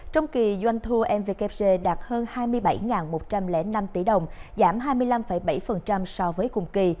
trong kỳ doanh thu mvkc đạt hơn hai mươi bảy một trăm linh năm tỷ đồng giảm hai mươi năm bảy so với cùng kỳ